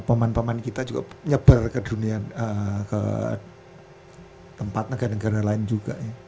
pemain pemain kita juga nyebar ke dunia ke tempat negara negara lain juga ya